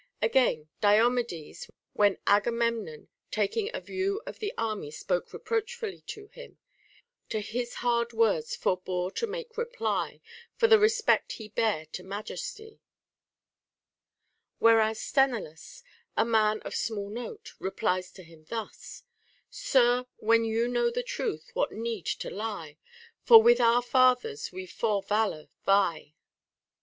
Again, Diomedes, when Agamemnon taking a view of the army spoke reproachfully to him, To his hard words forbore to make reply, For the respect he bare to majesty ; whereas Sthenelus, a man of small note, replies on him thus :— Sir, when you know the truth, what need to lie ? For with our fathers we for valor vie.